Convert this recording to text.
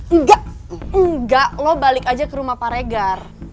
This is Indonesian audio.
enggak lo balik aja ke rumah pak regar